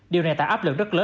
điều này tạo áp lượng rất lớn